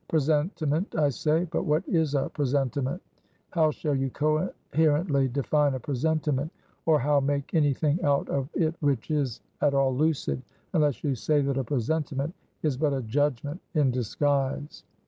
Presentiment, I say; but what is a presentiment? how shall you coherently define a presentiment, or how make any thing out of it which is at all lucid, unless you say that a presentiment is but a judgment in disguise?